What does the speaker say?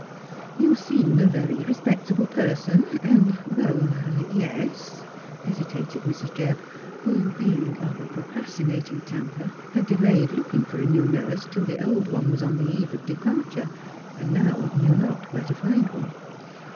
' You seem a very respectable person, and — well — yes,' hesitated Mrs. Jebb, who, being of a procrastinating temper, had delayed looking for a new nurse till the old one was on the eve of departure, and now knew not where to find one.